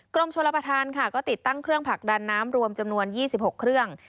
กรมชลประธานค่ะก็ติดตั้งเครื่องผลักดันน้ำรวมจำนวน๒๖เครื่อง